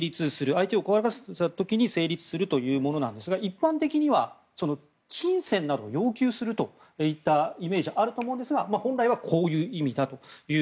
相手を怖がらせた時に成立するというものですが一般的には金銭などを要求するといったイメージがあると思うんですが本来はこういう意味だと。